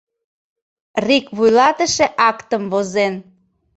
Рик вуйлатыше актым возен.